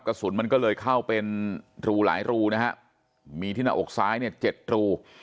กระสุนมันก็เลยเข้าเป็นรูหลายรูนะฮะมีที่หน้าอกซ้ายเนี่ยเจ็ดรู